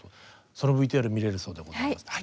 そのＶＴＲ見れるそうでございます。